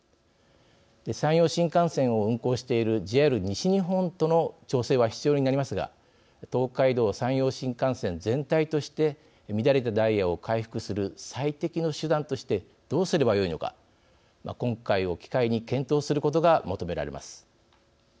山陽新幹線を運行しているＪＲ西日本との調整は必要になりますが東海道・山陽新幹線全体として乱れたダイヤを回復する最適の手段としてどうすればよいのか今回を機会に検討することが求められます。